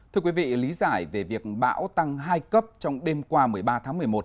thưa quý vị lý giải về việc bão tăng hai cấp trong đêm qua một mươi ba tháng một mươi một